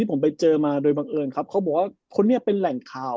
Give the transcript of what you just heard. ผมไปเจอมาโดยบังเอิญครับเขาบอกว่าคนนี้เป็นแหล่งข่าว